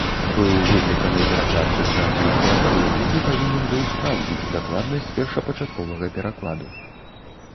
Быў выкліканы перакладчык з англійскай мовы, які павінен быў спраўдзіць дакладнасць першапачатковага перакладу.